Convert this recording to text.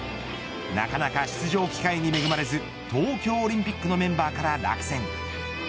なかなか出場機会に恵まれず東京オリンピックのメンバーから落選。